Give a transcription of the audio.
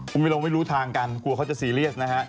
กูไม่รู้ทางกันกลัวเขาจะซีเรียสนะฮะ